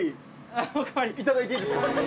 いただいていいですか？